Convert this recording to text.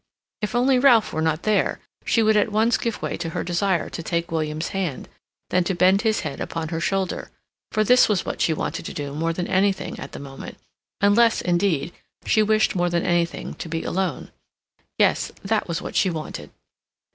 If only Ralph were not there, she would at once give way to her desire to take William's hand, then to bend his head upon her shoulder, for this was what she wanted to do more than anything at the moment, unless, indeed, she wished more than anything to be alone—yes, that was what she wanted.